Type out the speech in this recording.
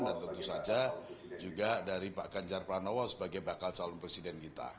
dan tentu saja juga dari pak kanjar panowa sebagai bakal calon presiden kita